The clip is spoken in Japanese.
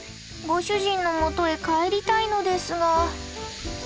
ご主人のもとへ帰りたいのですが。